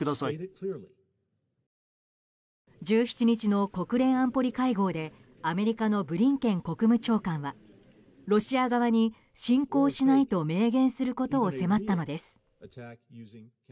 １７日の国連安保理会合でアメリカのブリンケン国務長官はロシア側に侵攻しないと明言することを迫ったのです。